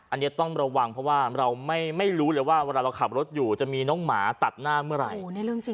อันนี้ต้องระวังเพราะว่าเราไม่รู้เลยว่าเวลาเราขับรถอยู่จะมีน้องหมาตัดหน้าเมื่อไหร่